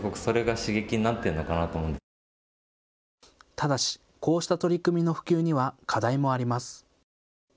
ただし、こうした取り組みの普及には課題もあります。